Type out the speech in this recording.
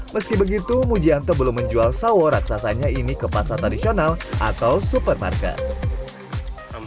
meski begitu mujianto belum menjual sawo raksasanya ini ke pasar tradisional atau supermarket